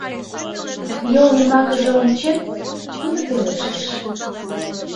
Йол йымакыже ончен, тудо пелештыш: